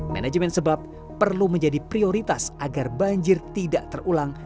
manajemen sebab perlu menjadi prioritas agar banjir tidak terulang